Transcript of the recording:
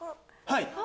はい。